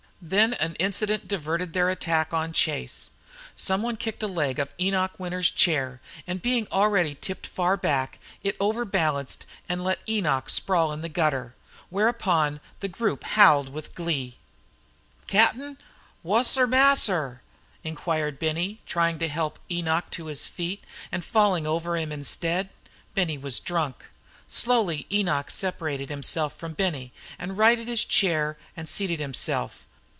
Then an incident diverted their attack on Chase. Some one kicked a leg of Enoch Winter's chair, and being already tipped far back, it overbalanced and let Enoch sprawl in the gutter. Whereupon the group howled in glee. "Cap'n, wasser masser?" Inquired Benny, trying to help Enoch to his feet and falling over him instead. Benny was drunk. Slowly Enoch separated himself from Benny and righted his chair and seated himself.